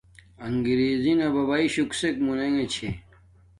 اݣگرݵزݵ نݳ بَبݳئی شُݸ کِسݵک مُنݵݣݺ چھݺ؟